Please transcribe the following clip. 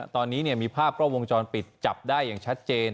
ตอนนี้มีภาพกล้องวงจรปิดจับได้อย่างชัดเจน